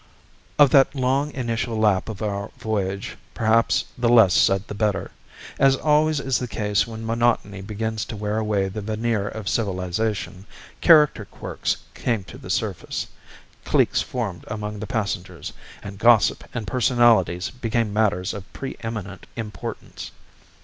Of that long initial lap of our voyage, perhaps the less said the better. As always is the case when monotony begins to wear away the veneer of civilization, character quirks came to the surface, cliques formed among the passengers, and gossip and personalities became matters of pre eminent importance.